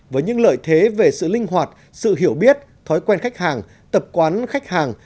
với những lợi thế về sự linh hoạt sự hiểu biết thói quen khách hàng tập quán khách hàng